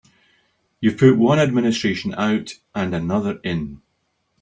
You've put one administration out and another in.